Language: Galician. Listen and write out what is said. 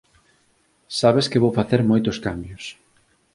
Sabes que vou facer moitos cambios.